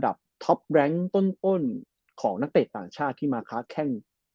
ท็อปแร้งต้นของนักเตะต่างชาติที่มาค้าแข้ง